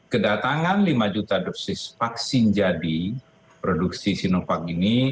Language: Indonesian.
kedatangan lima juta dosis vaksin jadi produksi sinovac ini